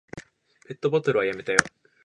ペットボトルはやめたよ。